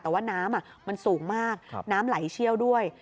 แต่ว่าน้ำมันสูงมากน้ำไหลเชี่ยวด้วย